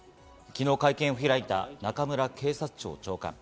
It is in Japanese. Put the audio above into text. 昨日、会見を開いた中村警察庁長官。